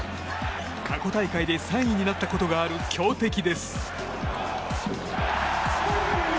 過去大会で３位になったことがある強敵です。